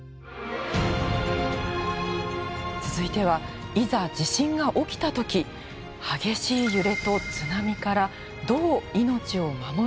続いてはいざ地震が起きた時激しい揺れと津波からどう命を守るのか。